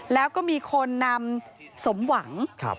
แล้วก็มีคนนำสมหวัง